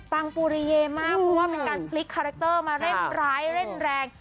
ปังปูริเยมากเพราะว่าเป็นการพลิกคาแรคเตอร์มาเร่งร้ายเร่งแรง